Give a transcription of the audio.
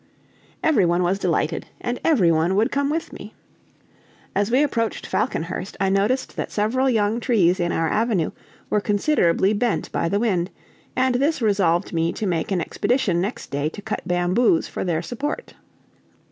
Every one was delighted and every one would come with me. As we approached Falconhurst I noticed that several young trees in our avenue were considerably bent by the wind, and this resolved me to make an expedition next day to cut bamboos for their support.